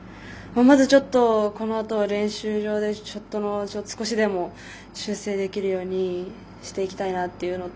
まずこのあとは練習場でショットを少しでも修正できるようにしていきたいなというのと。